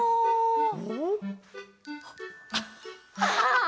ああ！